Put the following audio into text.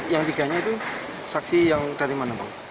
yang tiganya itu saksi yang dari mana pak